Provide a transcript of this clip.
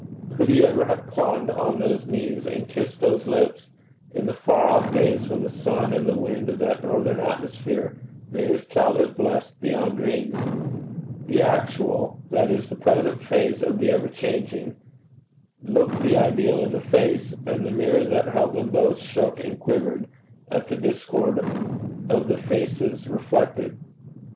Could he ever have climbed on those knees and kissed those lips, in the far off days when the sun and the wind of that northern atmosphere made his childhood blessed beyond dreams? The actual that is the present phase of the ever changing looked the ideal in the face; and the mirror that held them both, shook and quivered at the discord of the faces reflected.